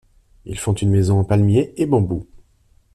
Ils font une maison en palmier et bambou.